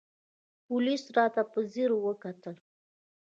پوليس راته په ځير وکتل.